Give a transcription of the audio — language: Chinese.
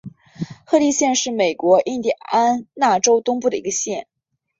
亨利县是美国印地安纳州东部的一个县。